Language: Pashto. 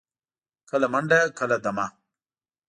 کله منډه، کله دمه.